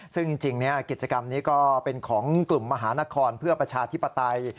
ซึ่งจริงกิจกรรมนี้ก็เป็นของกลุ่มมหานครเพื่อประชาธิปไตย